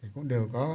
cũng đều có